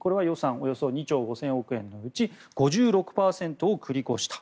およそ２兆５０００億円のうち５６％を繰り越したと。